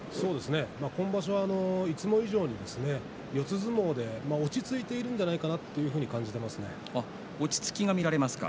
今場所はいつも以上に四つ相撲で落ち着いているんじゃ落ち着きが見られますか。